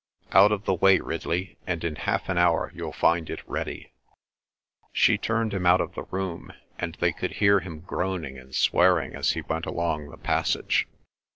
"Out of the way, Ridley, and in half an hour you'll find it ready." She turned him out of the room, and they could hear him groaning and swearing as he went along the passage.